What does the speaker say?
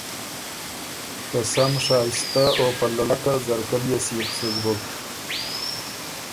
که سم شائستۀ او په للکه ځرکۀ ليې سیخ سُک بُک۔